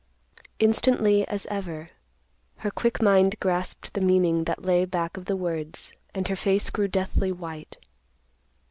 Instantly, as ever, her quick mind grasped the meaning that lay back of the words and her face grew deathly white.